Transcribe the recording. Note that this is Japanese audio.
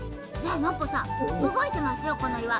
ノッポさんうごいてますよこのいわ。